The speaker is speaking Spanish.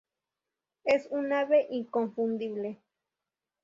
Es un ave inconfundible.